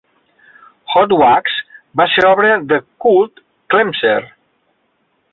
Hot Wacks va ser obra de Kurt Glemser.